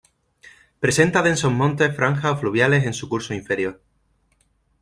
Presenta densos montes franja o fluviales en su curso inferior.